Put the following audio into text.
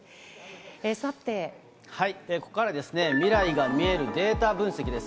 ここからはですね、未来が見えるデータ分析です。